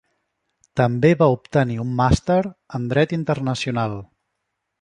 També va obtenir un màster en dret internacional.